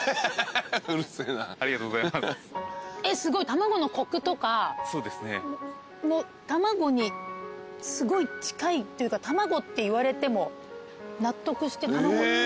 卵のコクとか卵にすごい近いというか卵っていわれても納得して卵。